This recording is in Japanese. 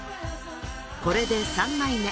これで３枚目。